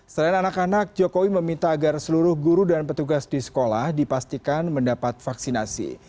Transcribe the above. selain anak anak jokowi meminta agar seluruh guru dan petugas di sekolah dipastikan mendapat vaksinasi